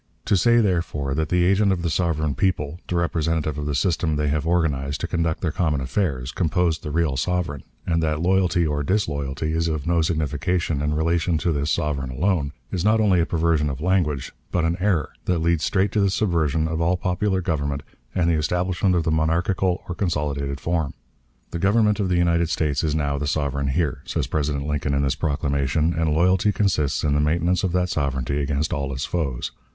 To say, therefore, that the agent of the sovereign people, the representative of the system they have organized to conduct their common affairs, composed the real sovereign, and that loyalty or disloyalty is of signification in relation to this sovereign alone, is not only a perversion of language, but an error, that leads straight to the subversion of all popular government and the establishment of the monarchical or consolidated form. The Government of the United States is now the sovereign here, says President Lincoln in this proclamation, and loyalty consists in the maintenance of that sovereignty against all its foes.